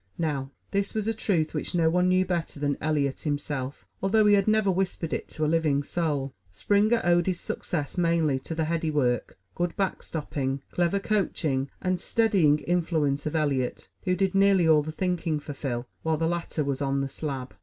Now, this was a truth which no one knew better than Eliot himself, although he had never whispered it to a living soul. Springer owed his success mainly to the heady work, good back stopping, clever coaching and steadying influence of Eliot, who did nearly all the thinking for Phil while the latter was on the slab.